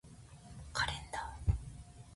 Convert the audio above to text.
カレンダー